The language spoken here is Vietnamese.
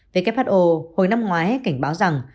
who hồi năm ngoái cảnh báo rằng